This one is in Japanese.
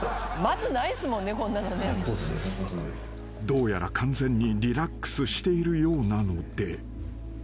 ［どうやら完全にリラックスしているようなので］